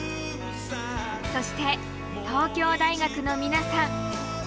そして東京大学の皆さん。